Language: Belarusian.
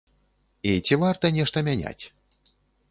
І ці варта нешта мяняць?